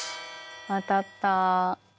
当たった！